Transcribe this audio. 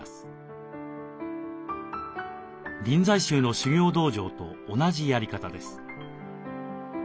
臨済宗の修行道場と同じやり方です。